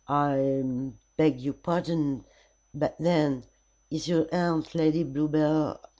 "I beg your pardon but then is your aunt Lady Bluebell?